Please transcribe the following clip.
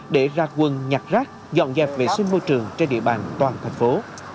để ra quân nhặt rác dọn dẹp vệ sinh môi trường trên địa bàn toàn thành phố